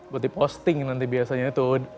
buat diposting nanti biasanya itu